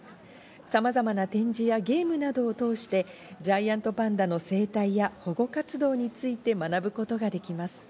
さまざまな展示やゲームなどを通して、ジャイアントパンダの生態や保護活動について学ぶことができます。